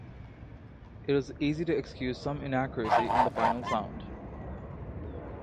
It was easy to excuse some inaccuracy in the final sound.